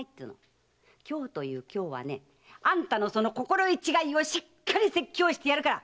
今日という今日はねあんたのその心得違いをしっかり説教してやるから。